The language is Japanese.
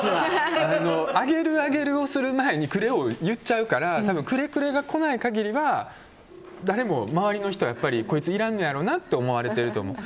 あげるあげるをする前にくれを言っちゃうからクレクレが来ない限りは誰も周りの人はこいついらんのやろうなって思われてると思う。